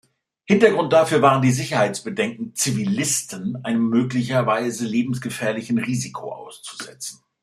Hintergrund dafür waren die Sicherheitsbedenken, "Zivilisten" einem möglicherweise lebensgefährlichen Risiko auszusetzen.